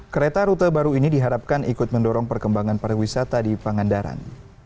kereta rute baru ini diharapkan ikut mendorong perkembangan pariwisata di pangandaran